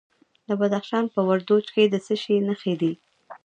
د بدخشان په وردوج کې د څه شي نښې دي؟